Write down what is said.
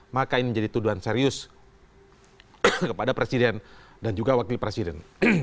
maka ini menjadi tuduhan serius kepada presiden dan juga wakil presiden